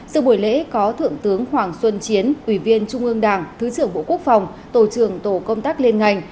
sự buổi lễ có thượng tướng hoàng xuân chiến ủy viên trung ương đảng thứ trưởng bộ quốc phòng tổ trưởng tổ công tác liên ngành